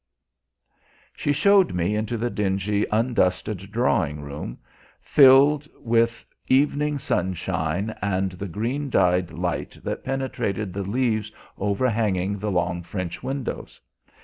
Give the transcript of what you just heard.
She showed me into the dingy undusted drawing room, filled with evening sunshine and the green dyed light that penetrated the leaves overhanging the long French windows.